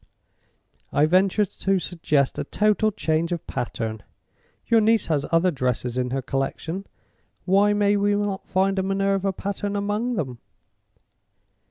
I venture to suggest a total change of pattern. Your niece has other dresses in her collection. Why may we not find a Minerva pattern among them?"